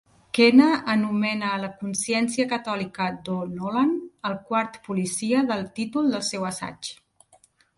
Kenner anomena a la consciència catòlica d'O'Nolan el "Quart Policia" del títol del seu assaig.